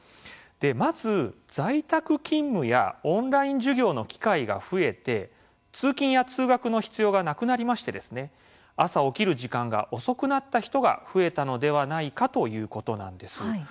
まず在宅勤務やオンライン授業の機会が増えて通勤や通学の必要がなくなりまして朝起きる時間が遅くなった人が増えたのではないかということなんです。